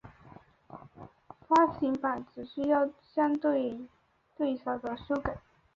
发行版只需要作相对少的修改。